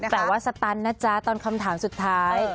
แต่ว่าสตันนะจ๊ะตอนคำถามสุดท้าย